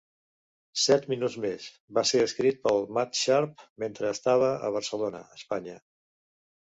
"Set minuts més" va ser escrit per Matt Sharp mentre estava a Barcelona, Espanya.